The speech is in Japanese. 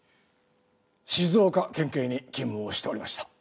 静岡県警に勤務をしておりました。